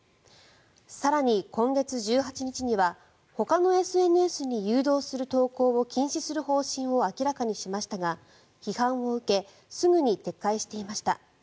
更に今月１８日にはほかのＳＮＳに誘導する投稿を禁止する方針を明らかにしましたが、批判を受けすぐに撤回していました。